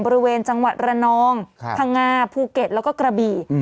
บริเวณจังหวัดระนองพังงาภูเก็ตแล้วก็กระบี่